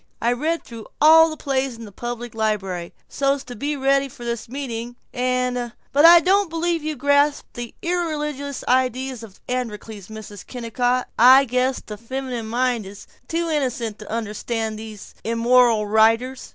I read through all the plays in the public library, so's to be ready for this meeting. And But I don't believe you grasp the irreligious ideas in this 'Androcles,' Mrs. Kennicott. I guess the feminine mind is too innocent to understand all these immoral writers.